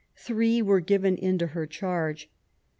Three were given into her charge.